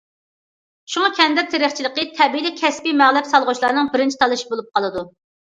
شۇڭا، كەندىر تېرىقچىلىقى تەبىئىيلا كەسپىي مەبلەغ سالغۇچىلارنىڭ بىرىنچى تاللىشى بولۇپ قالىدۇ.